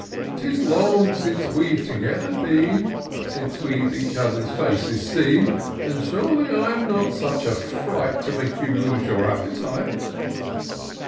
"Ks long since we've together been ; Since we've each other's faces seen ; And surely, I'm not such a fright To make you lose your appetite."